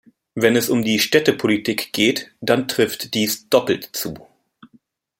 Wenn es um die Städtepolitik geht, dann trifft dies doppelt zu.